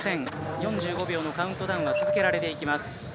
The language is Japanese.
４５秒のカウントダウンは続けられていきます。